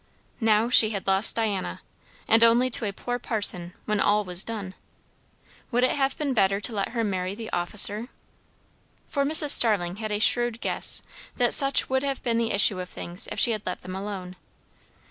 Now she had lost Diana. And only to a poor parson when all was done! Would it have been better to let her marry the officer? For Mrs. Starling had a shrewd guess that such would have been the issue of things if she had let them alone.